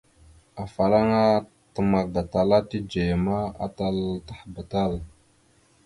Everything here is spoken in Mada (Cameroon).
Afalaŋa təmak gatala tidzeya ma, atal taɗəba tal.